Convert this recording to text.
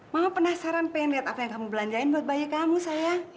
mama penasaran pengen lihat apa yang kamu belanjain buat bayi kamu saya